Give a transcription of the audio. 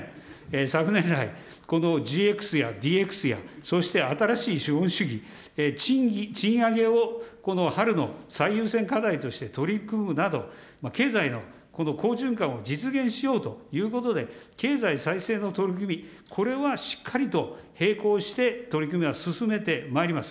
昨年来、このＧＸやＤＸや、そして新しい資本主義、賃上げをこの春の最優先課題として取り組むなど、経済の好循環を実現しようということで、経済再生の取り組み、これはしっかりと並行して取り組みは進めてまいります。